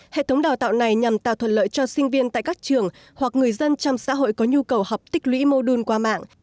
hệ thống đào tạo này nhằm tạo thuận lợi cho sinh viên tại các trường hoặc người dân trong xã hội có nhu cầu học tích lũy mô đun qua mạng